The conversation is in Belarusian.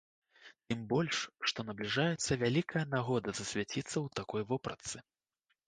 Тым больш, што набліжаецца вялікая нагода засвяціцца ў такой вопратцы.